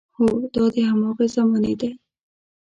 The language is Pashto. هو، دا د هماغې زمانې دی.